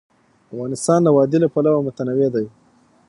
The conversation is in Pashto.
افغانستان د وادي له پلوه متنوع دی.